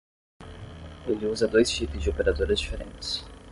Ele usa dois chips de operadoras diferentes